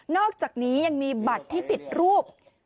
อกจากนี้ยังมีบัตรที่ติดรูป